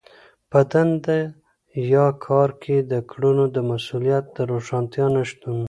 په دنده يا کار کې د کړنو د مسوليت د روښانتيا نشتون.